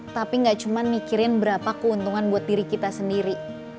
tapi gak cuma mikirin berapa keuntungan buat diri kita sendiri